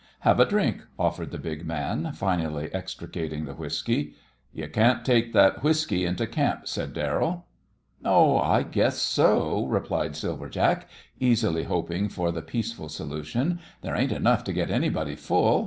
"Have a drink," offered the big man, finally extricating the whiskey. "You can't take that whiskey into camp," said Darrell. "Oh, I guess so," replied Silver Jack, easily, hoping for the peaceful solution. "There ain't enough to get anybody full.